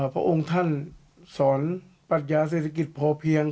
พระองค์ท่านสอนปรัชญาเศรษฐกิจพอเพียง